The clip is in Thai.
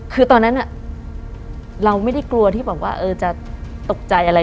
คือตอนนั้นเราไม่ได้กลัวที่บอกว่าจะตกใจอะไร